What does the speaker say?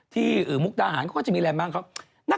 ที่มุกดาหารก็จะมีแลนด์มาร์คของเขา